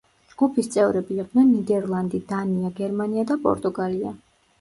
ჯგუფის წევრები იყვნენ ნიდერლანდი, დანია, გერმანია და პორტუგალია.